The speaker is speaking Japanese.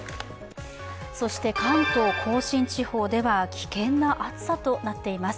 そして関東甲信地方では危険な暑さとなっています。